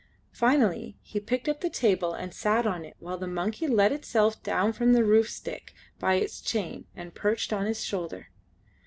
Finally he picked up the table and sat on it while the monkey let itself down from the roof stick by its chain and perched on his shoulder.